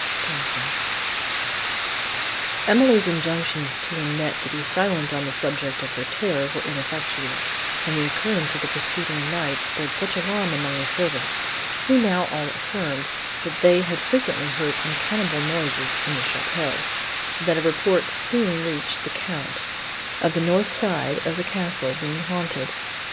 THOMSON Emily's injunctions to Annette to be silent on the subject of her terror were ineffectual, and the occurrence of the preceding night spread such alarm among the servants, who now all affirmed, that they had frequently heard unaccountable noises in the château, that a report soon reached the Count of the north side of the castle being haunted.